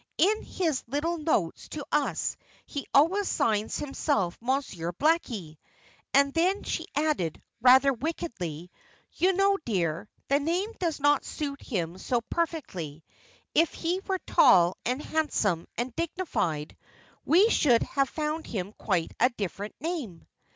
In his little notes to us he always signs himself 'Monsieur Blackie.'" And then she added, rather wickedly, "You know, dear, the name does suit him so perfectly. If he were tall, and handsome, and dignified, we should have found him quite a different name."